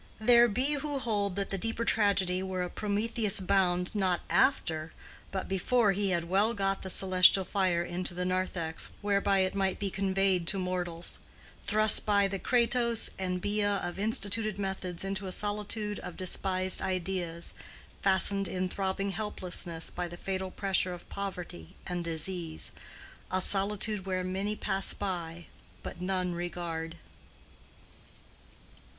There be who hold that the deeper tragedy were a Prometheus Bound not after but before he had well got the celestial fire into the νάρθηξ whereby it might be conveyed to mortals: thrust by the Kratos and Bia of instituted methods into a solitude of despised ideas, fastened in throbbing helplessness by the fatal pressure of poverty and disease—a solitude where many pass by, but none regard.